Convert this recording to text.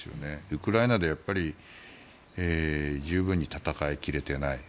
ウクライナで十分に戦い切れていない。